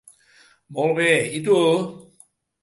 Molt bé, i tu?